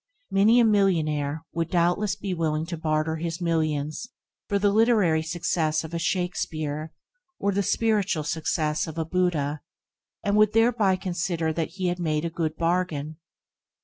Many a millionaire would doubtless be willing to barter his millions for the literary success of a Shakespeare or the spiritual success of a Buddha, and would thereby consider that he had made a good bargain.